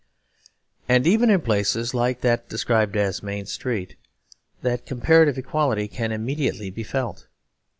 And, even in places like that described as Main Street, that comparative equality can immediately be felt.